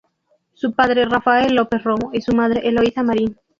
Su padre Rafael López Romo y su madre Eloísa Marín.